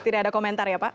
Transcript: tidak ada komentar ya pak